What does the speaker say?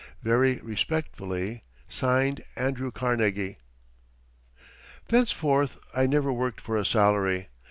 Very respectfully (Signed) ANDREW CARNEGIE Thenceforth I never worked for a salary.